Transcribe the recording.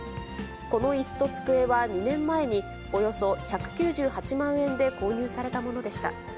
このいすと机は２年前に、およそ１９８万円で購入されたものでした。